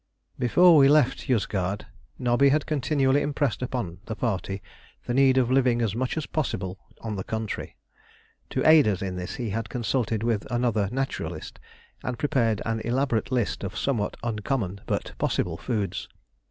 Before we left Yozgad, Nobby had continually impressed upon the party the need of living as much as possible on the country. To aid us in this he had consulted with another naturalist, and prepared an elaborate list of somewhat uncommon but possible foods.